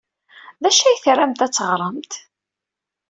D acu ay tramt ad teɣremt?